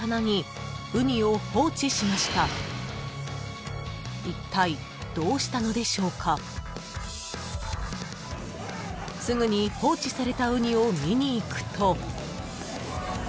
［すぐに放置されたうにを見に行くと］